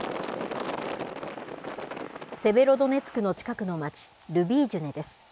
セベロドネツクの近くの町、ルビージュネです。